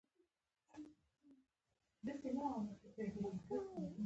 ایا ستاسو شکونه لرې نه شول؟